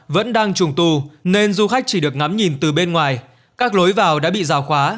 vẫn đang trùng tù nên du khách chỉ được ngắm nhìn từ bên ngoài các lối vào đã bị rào khóa